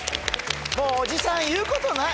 もうおじさん言うことない！